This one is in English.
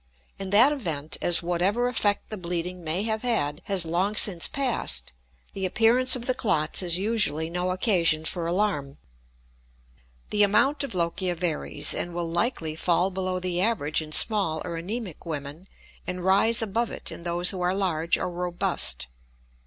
In that event, as whatever effect the bleeding may have had has long since passed, the appearance of the clots is usually no occasion for alarm. The amount of lochia varies, and will likely fall below the average in small or anemic women and rise above it in those who are large or robust.